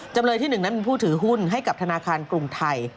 จำเลยที่๑นั้นเป็นผู้ถือหุ้นให้กับธนาคารกรุงไทย